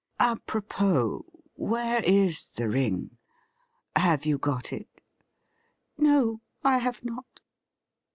Apropos, where is the ring ? Have you got it ?'* No, I have not.'